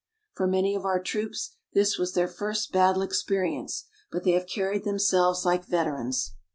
For many of our troops this was their first battle experience, but they have carried themselves like veterans.